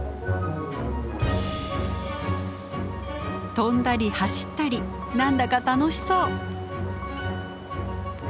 跳んだり走ったり何だか楽しそう。